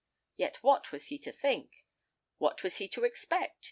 Yet what was he to think? What was he to expect?